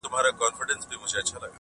o خورې ورې پرتې وي.